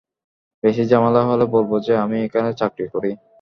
বেশি ঝামেলা হলে বলবো যে, আমি এখানে চাকরি করি।